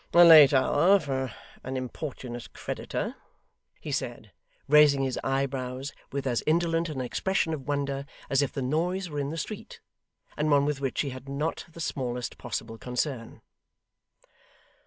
'A late hour for an importunate creditor,' he said, raising his eyebrows with as indolent an expression of wonder as if the noise were in the street, and one with which he had not the smallest possible concern.